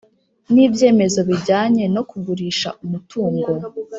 n ibyemezo bijyanye no kugurisha umutungo